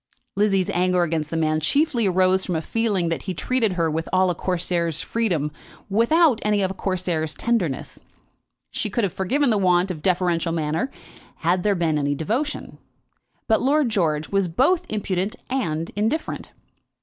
Lizzie's anger against the man chiefly arose from a feeling that he treated her with all a Corsair's freedom without any of a Corsair's tenderness. She could have forgiven the want of deferential manner, had there been any devotion; but Lord George was both impudent and indifferent.